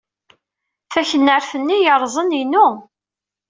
Taknart-nni ay yerrẓen inu.